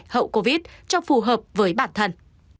hậu covid cho phù hợp với bản thân